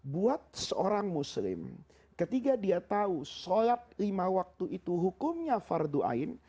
buat seorang muslim ketika dia tahu sholat lima waktu itu hukumnya fardu ain